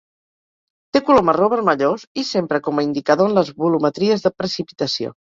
Té color marró vermellós i s'empra com indicador en les volumetries de precipitació.